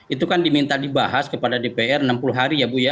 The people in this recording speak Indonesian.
itu kan diminta dibahas kepada dpr enam puluh hari ya bu ya